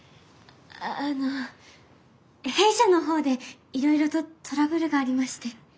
あの弊社の方でいろいろとトラブルがありまして。